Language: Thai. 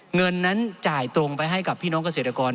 เงินนั้นจ่ายตรงไปให้กับพี่น้องเกษตรกร